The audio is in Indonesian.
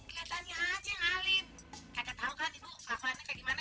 keliatannya aja yang alim kau tahu kan ibu kelakuan kayak gimana